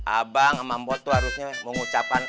abang mampot tuh harusnya mengucapkan